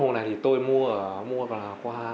cái này cô cho tôi xem cái này